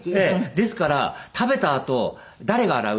ですから食べたあと誰が洗う？